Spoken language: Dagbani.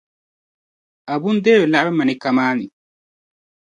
Abu n deeri laɣiri maneeka maa ni.